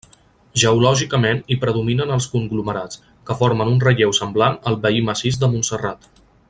Geològicament hi predominen els conglomerats, que formen un relleu semblant al veí massís de Montserrat.